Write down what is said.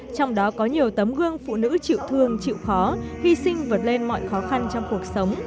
trong đó có nhiều tấm gương phụ nữ chịu thương chịu khó hy sinh vượt lên mọi khó khăn trong cuộc sống